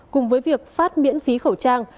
cùng với việc phát miễn phí khẩu trang